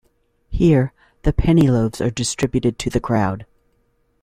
Here, the penny loaves are distributed to the crowd.